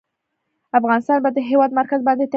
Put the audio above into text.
افغانستان په د هېواد مرکز باندې تکیه لري.